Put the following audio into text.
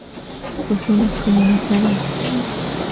Cocinas Comunitarias.